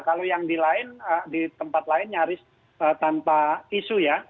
kalau yang di lain di tempat lain nyaris tanpa isu ya